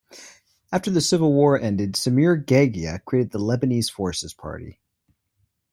After the civil war ended, Samir Geagea created the Lebanese Forces Party.